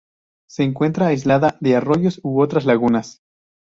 Se encuentra aislada de arroyos u otras lagunas.